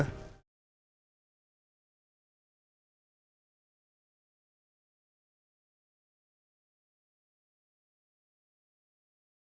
kamu sudah pernah ketemu sama omanya